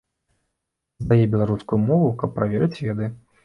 Здае беларускую мову, каб праверыць веды!